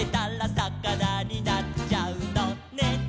「さかなになっちゃうのね」